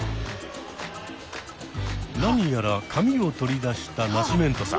何やら紙を取り出したナシメントさん。